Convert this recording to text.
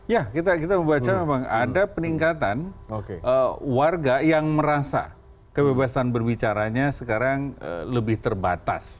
ya kita membaca memang ada peningkatan warga yang merasa kebebasan berbicaranya sekarang lebih terbatas